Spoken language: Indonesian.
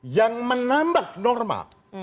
yang menambah norma